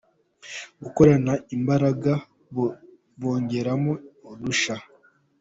Gukorana imbaraga bongeramo n’udushya.